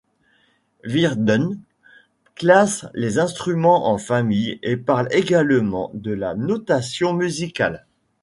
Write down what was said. Virdung classe les instruments en familles et parle également de la notation musicale.